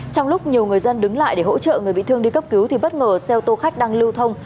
trong lúc nhiều người dân đứng lại để hỗ trợ người bị thương đi cấp cứu thì bất ngờ xe ô tô khách đang lưu thông